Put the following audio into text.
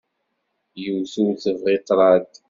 Yiwet ur tebɣi ṭṭraḍ.